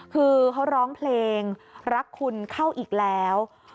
คือเขาร้องเพลงรักคุณเข้าอีกแล้ว